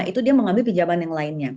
itu dia mengambil pijaban yang lainnya